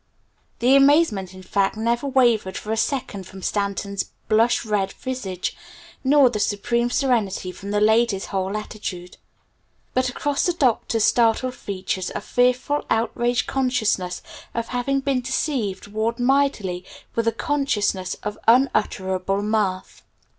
The amazement in fact never wavered for a second from Stanton's blush red visage, nor the supreme serenity from the lady's whole attitude. But across the Doctor's startled features a fearful, outraged consciousness of having been deceived, warred mightily with a consciousness of unutterable mirth.